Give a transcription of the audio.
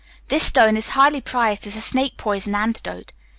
This stone is highly prized as a snake poison antidote.